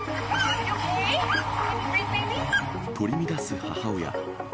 取り乱す母親。